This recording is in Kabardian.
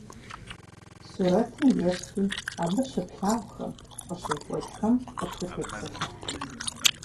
Сурэтым еплъи абы щыплъагъухэм, къыщекӏуэкӏхэм къытхутепсэлъыхь.